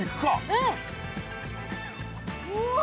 うん。うお！